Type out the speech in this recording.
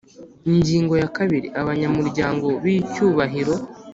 Ingingo ya kabiri: Abanyamuryango b’icyubahiro